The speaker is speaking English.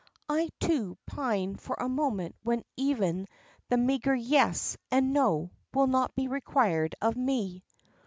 I, too, pine for a moment when even the meagre 'yes' and 'no' will not be required of me."